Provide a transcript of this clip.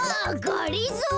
がりぞー。